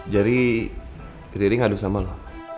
jadi riri ngadu sama lo